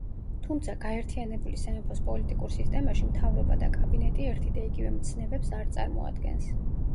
თუმცა, გაერთიანებული სამეფოს პოლიტიკურ სისტემაში, მთავრობა და კაბინეტი ერთი და იგივე მცნებებს არ წარმოადგენს.